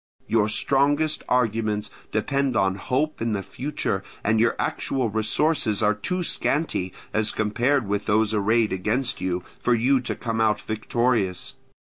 Your strongest arguments depend upon hope and the future, and your actual resources are too scanty, as compared with those arrayed against you, for you to come out victorious.